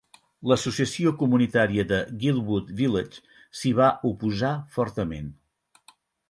L'associació comunitària de Guildwood Village s'hi va oposar fortament.